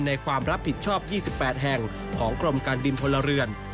ความรับผิดชอบ๒๘แห่งของกรมการบินพลเรือน